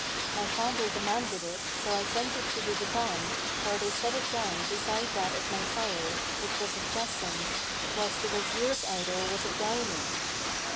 My father demanded it, so I sent it to the Divan, where they set it down beside that of my sire, which was of jacinth, whilst the Wazir's idol was of diamond.